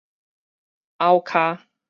拗跤